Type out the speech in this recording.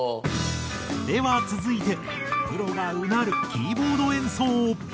では続いてプロが唸るキーボード演奏。